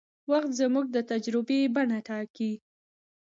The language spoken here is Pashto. وخت زموږ د تجربې بڼه ټاکي.